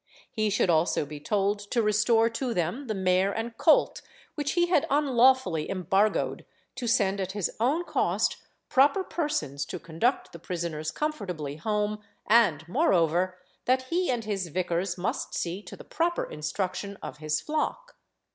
He should also be told to restore to them the mare and colt which he had unlawfully embargoed, to send at his own cost proper persons to conduct the prisoners comfortably home, and moreover that he and his vicars must see to the proper instruction of his flock.